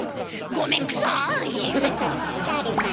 ごめんくさい！